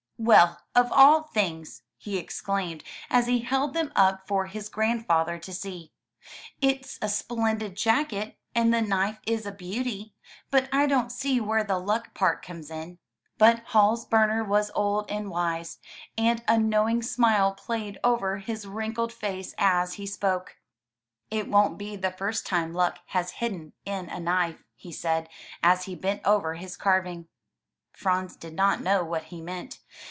"Well, of all things!'* he exclaimed as he held them up for his grandfather to see. It*s a splendid jacket, and the knife is a beauty, but I don't see where the luck part comes in." But Hals Bemer was old and wise, and a knowing smile played over his wrinkled face as he spoke. "It won't be the 107 MY BOOK HOUSE » A' V r .... first time luck has hidden in a knife/' he said, as he bent over his carving. Franz did not know what he meant.